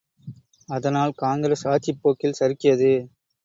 அதனால் காங்கிரஸ் ஆட்சிப் போக்கில் சறுக்கியது!